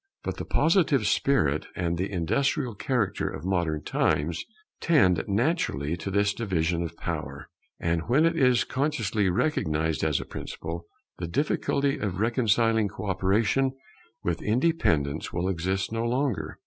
But the positive spirit and the industrial character of modern times tend naturally to this division of power; and when it is consciously recognized as a principle, the difficulty of reconciling co operation with independence will exist no longer.